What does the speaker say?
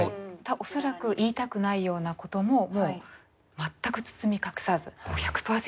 恐らく言いたくないようなことももう全く包み隠さず１００％